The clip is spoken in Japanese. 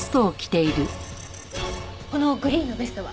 このグリーンのベストは？